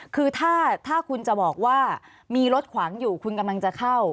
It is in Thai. คือถ้าคุณจะบอกว่ามีรถขวางอยู่คุณกำลังจะเข้า